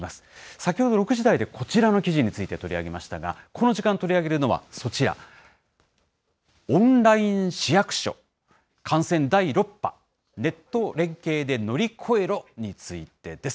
先ほど６時台でこちらの記事について取り上げましたが、この時間、取り上げるのはそちら、オンライン市役所、感染第６波、ネット連携で乗り越えろ！についてです。